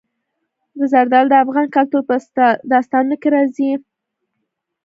زردالو د افغان کلتور په داستانونو کې راځي.